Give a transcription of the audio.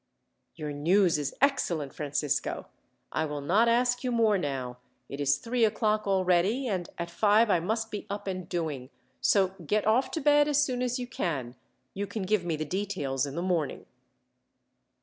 "Your news is excellent, Francisco. I will not ask you more, now. It is three o'clock already, and at five I must be up and doing; so get off to bed as soon as you can. You can give me the details in the morning."